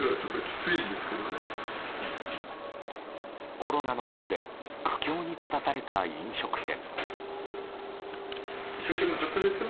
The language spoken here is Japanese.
コロナの中で苦境に立たされた飲食店。